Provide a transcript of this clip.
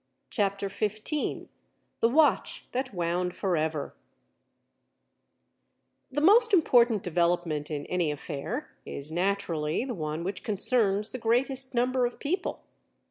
CHAPTER FIFTEEN "The Watch That Wound Forever" The most important development in any affair is naturally the one which concerns the greatest number of people.